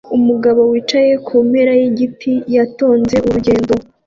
Umugabo wicaye kumpera yigiti yatonze urugendo